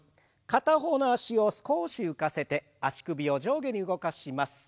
片方の脚を少し浮かせて足首を上下に動かします。